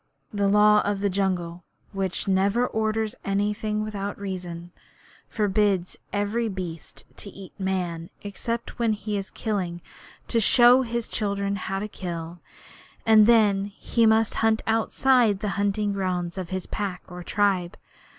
The Law of the Jungle, which never orders anything without a reason, forbids every beast to eat Man except when he is killing to show his children how to kill, and then he must hunt outside the hunting grounds of his pack or tribe.